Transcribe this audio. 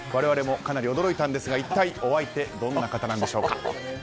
我々もかなり驚いたんですが一体お相手はどんな方なんでしょうか。